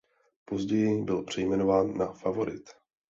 Později byl přejmenován na Favorit.